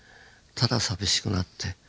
ただ寂しくなって。